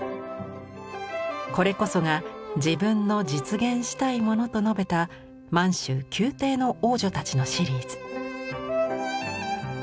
「これこそが自分の実現したいもの」と述べた「満州宮廷の王女たち」のシリーズ。